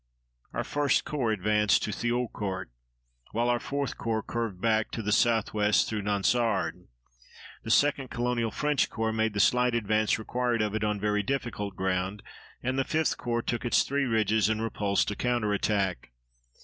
Our 1st Corps advanced to Thiaucourt, while our 4th Corps curved back to the southwest through Nonsard. The 2d Colonial French Corps made the slight advance required of it on very difficult ground, and the 5th Corps took its three ridges and repulsed a counterattack.